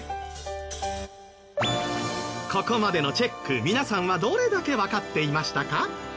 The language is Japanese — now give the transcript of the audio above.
ここまでのチェック皆さんはどれだけわかっていましたか？